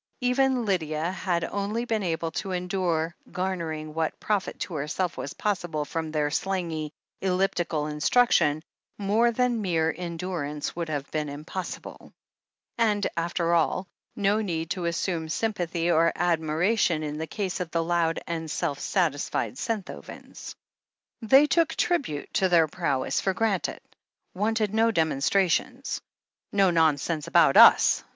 Even Lydia had only been able to endure, garnering what profit to herself was possible from their slangy, elliptical instruction — ^more than mere endur ance would have been impossible. And, after all. no need to assume sympathy or admiration in the case of the loud and self satisfied Senthovens. They took tribute to their prowess for granted — ^wanted no dem onstrations. "No nonsense about us!"